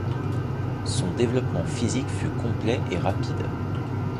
Son développement physique fut complet et rapide.